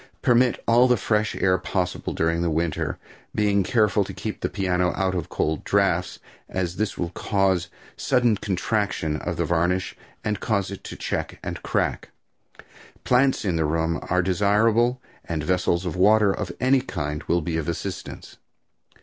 Permit all the fresh air possible during winter, being careful to keep the piano out of cold drafts, as this will cause a sudden contraction of the varnish and cause it to check or crack. Plants in the room are desirable and vessels of water of any kind will be of assistance.